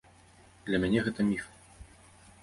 Для мяне гэта міф.